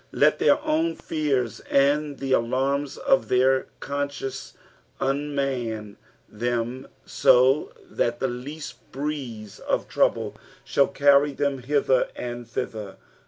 Let their own fears and the alarms of their con sciences unmau them so that the least bieeze of trouble shall cairy Ihem hither and thither.